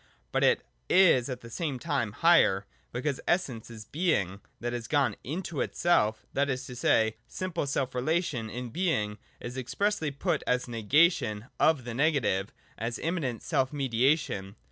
But it is at the same time higher, because Essence is Being that has gone into itself: that is to say, the simple self relation (in Being) is expressly put as negation of the negative, as immanent self mediation.